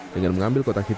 dengan mengambil kotak kotak